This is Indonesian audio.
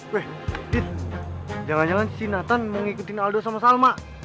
weh dit jangan jangan si nathan mau ikutin aldo sama salma